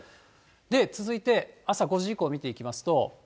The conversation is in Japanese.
続いて、朝５時以降見ていきますと。